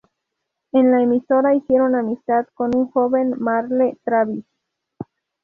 En la emisora hicieron amistad con un joven Merle Travis.